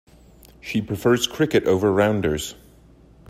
She prefers cricket over rounders.